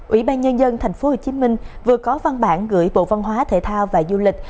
ủy ban nhân dân tp hcm vừa có văn bản gửi bộ văn hóa thể thao và du lịch